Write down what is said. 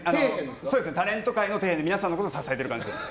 タレント界の底辺で皆さんのことを支えてる感じです。